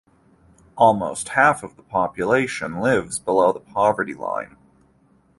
Almost half of the population lives below the poverty line.